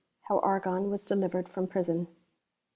How Argon was delivkred fro.m Prison'.